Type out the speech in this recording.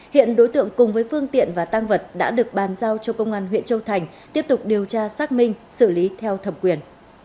hiện đối tượng cùng với phương tiện và tăng vật đã được bàn giao cho công an huyện châu thành tiếp tục điều tra xác minh xử lý theo thẩm quyền